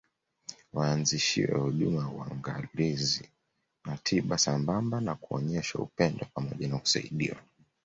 Waanzishiwe huduma ya uangalizi na tiba sambamba na kuonyeshwa upendo pamoja na kusaidiwa